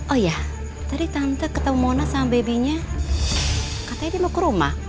oh iya tadi tante ketemu mona sama baby nya katanya dia mau ke rumah